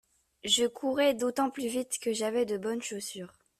Je courrais d'autant plus vite que j'avais de bonnes chaussures.